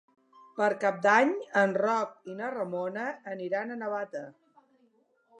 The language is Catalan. Per Cap d'Any en Roc i na Ramona aniran a Navata.